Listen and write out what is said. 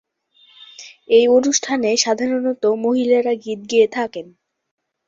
এ অনুষ্ঠানে সাধারণত মহিলারা গীত গেয়ে থাকেন।